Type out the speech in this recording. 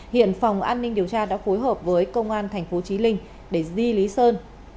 hiện phòng an ninh điều tra đã phối hợp với công an thành phố trí linh để di lý sơn